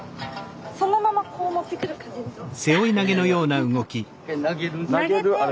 そのままこう持ってくる感じですか？